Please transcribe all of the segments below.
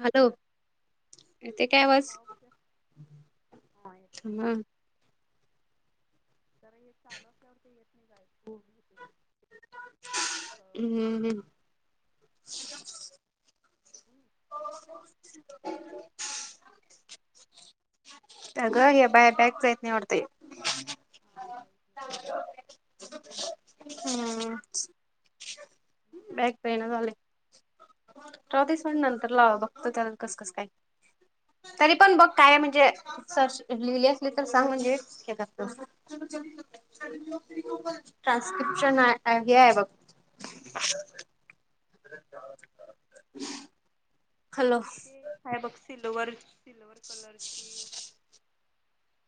Hello येतोय काय हा आता आवाज लावा बघूया हा तर हे चालू असल्यावर ते येत नाही काय हम्म हो अगं ह्या बाया काहीच नाही वाटते. हं, बॅक पेईना झालंय. चौतीस म्हन नंतर लावा. बघतो त्याला कस कस काय? तरी पण बघ काय आहे. म्हणजे सर्च लिहिली असलीत तर सांग. म्हणजे हे करतो. ट्रान्सस्क्रिप्शन आहे आहे बाघ [inaudible] हॅलो ते काय बघ सिल्वर सिल्वर कलरची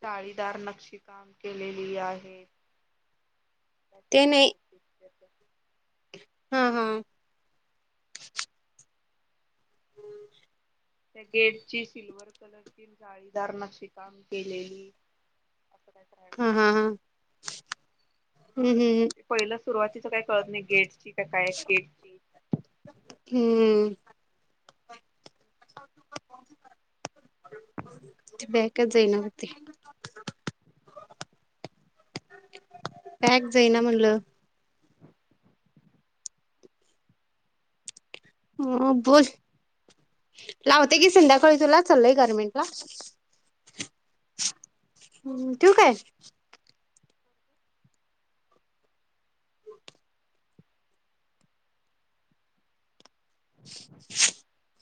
चाळीदार नक्षी काम केलेली आहे त्यात ते नाही खयती हा हा त्या गेटची सिल्वर कलरची जाळीदारनाशी काम केलेली असं काहीतरी आहे बघ हम्म हा हा हम्म हम्म पहिलं सुरुवातीच काय कळत नाही गेटची का काय गेटची हम्म अचक्र प बॅकच जाईना होते पॅक जाईना म्हटलं ह बोल [inaudible] हम्म तू काय [inaudible]